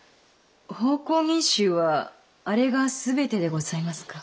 奉公人衆はあれが全てでございますか？